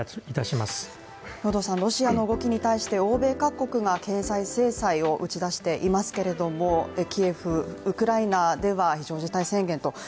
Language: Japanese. ロシアの動きに対して欧米各国が経済制裁を打ち出していますけれどもキエフ、ウクライナでは、非常事態宣言と。